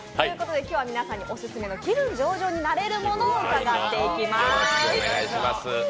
今日は皆さんに気分上々になれるものを伺っていきます。